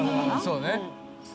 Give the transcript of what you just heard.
そうね。